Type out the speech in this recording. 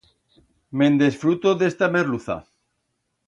Me'n desfruto d'esta merluza.